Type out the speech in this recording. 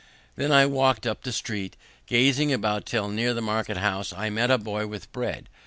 Then I walked up the street, gazing about till near the market house I met a boy with bread.